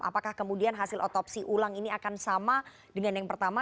apakah kemudian hasil otopsi ulang ini akan sama dengan yang pertama